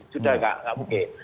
sudah enggak mungkin